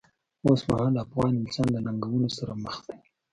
اوسمهالی افغان انسان له ننګونو سره مخ دی.